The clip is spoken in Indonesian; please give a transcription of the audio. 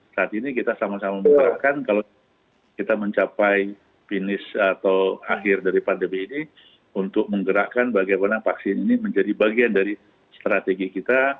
saat ini kita sama sama mengharapkan kalau kita mencapai finish atau akhir dari pandemi ini untuk menggerakkan bagaimana vaksin ini menjadi bagian dari strategi kita